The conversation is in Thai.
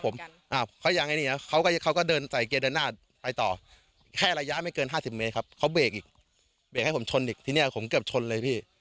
เบรกให้ผมชนอีกที่นี้ผมเกือบชนเลยพี่